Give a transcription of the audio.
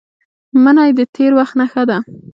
منی د تېر وخت نښه ده